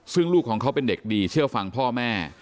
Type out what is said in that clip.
ซึ่งลูกของเขาเป็นเด็กดีเชื่อฟังพ่อแม่